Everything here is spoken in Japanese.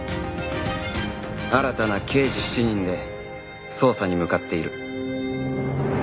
新たな刑事７人で捜査に向かっている